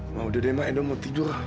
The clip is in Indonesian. ma udah deh ma edo mau tidur